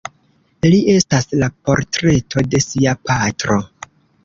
Li estas la portreto de sia patro.